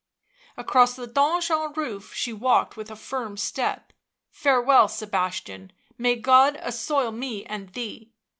'' Across the donjon roof she walked with a firm step. " Farewell, Sebastian; may God assoil me and thee."